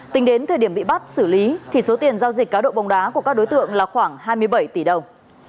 tính đến thời điểm bị bắt xử lý thì số tiền giao dịch cá độ bóng đá của các đối tượng là khoảng hai mươi bảy tỷ đồng